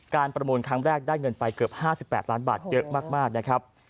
ประมูลครั้งแรกได้เงินไปเกือบ๕๘ล้านบาทเยอะมากนะครับ